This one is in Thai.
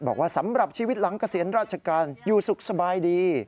บอกว่าสำหรับชีวิตหลังเกษียณราชการอยู่สุขสบายดี